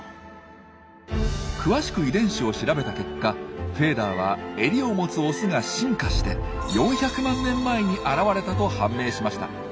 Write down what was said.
詳しく遺伝子を調べた結果フェーダーはエリを持つオスが進化して４００万年前に現れたと判明しました。